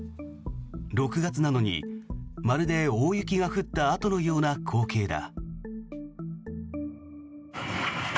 ６月なのにまるで大雪が降ったあとのような光景だ。